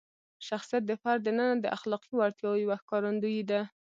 شخصیت د فرد دننه د اخلاقي وړتیاوو یوه ښکارندویي ده.